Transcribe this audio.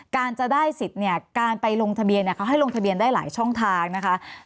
การจะได้สิทธิ์เนี่ยการไปลงทะเบียนเขาให้ลงทะเบียนได้หลายช่องทางนะคะ